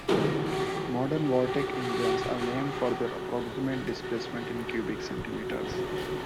Modern Vortec engines are named for their approximate displacement in cubic centimetres.